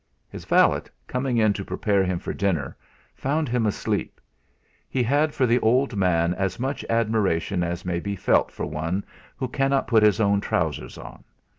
His valet, coming in to prepare him for dinner, found him asleep. He had for the old man as much admiration as may be felt for one who cannot put his own trousers on.